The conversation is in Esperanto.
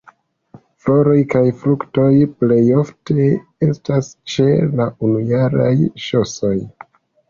Floroj kaj fruktoj plej ofte estas ĉe la unujaraj ŝosoj.